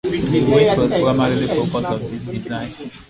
Weight was the primary focus of the redesign.